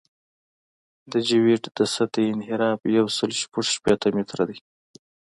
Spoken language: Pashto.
د جیوئید د سطحې انحراف یو سل شپږ شپېته متره دی